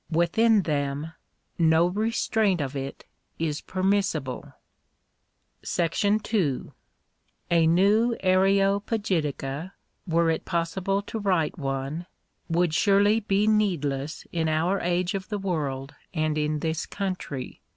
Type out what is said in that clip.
Within them, no restraint of it is permissible. §2. A new Areopagitica, were it possible to write one, would surely be needless in our age of the world and in this country.